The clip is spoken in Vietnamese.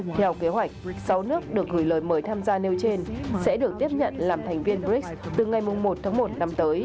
theo kế hoạch sáu nước được gửi lời mời tham gia nêu trên sẽ được tiếp nhận làm thành viên brics từ ngày một tháng một năm hai nghìn hai mươi